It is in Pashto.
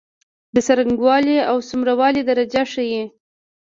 د څرنګوالی او څومره والي درجه ښيي.